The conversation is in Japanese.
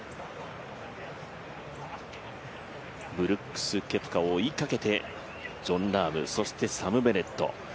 ブルックス・ケプカを追いかけてジョン・ラーム、そしてサム・ベネット。